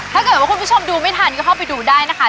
ถ้าเกิดว่าคุณผู้ชมดูไม่ทันก็เข้าไปดูได้นะคะ